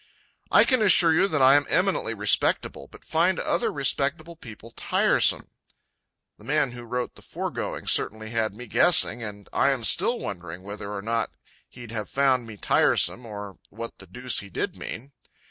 "I can assure you that I am eminently respectable, but find other respectable people tiresome." The man who wrote the foregoing certainly had me guessing, and I am still wondering whether or not he'd have found me tiresome, or what the deuce he did mean.